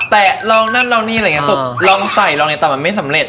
เราก็ลองทำจับแตะลองลงแต่มันไม่สำเร็จ